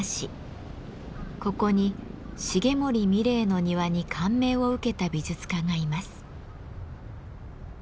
ここに重森三玲の庭に感銘を受けた美術家がいます。